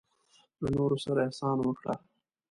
له نورو سره احسان وکړه.